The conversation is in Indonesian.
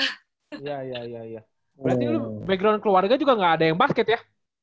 iya iya berarti background keluarga juga nggak ada yang basket ya